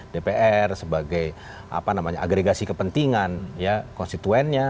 dpr sebagai agregasi kepentingan konstituennya